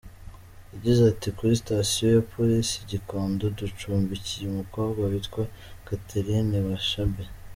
Yagize ati “Kuri station ya Polisi i Gikondo, ducumbikiye umukobwa witwa Catherine Bashabe.